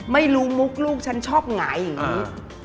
มุกลูกฉันชอบหงายอย่างนี้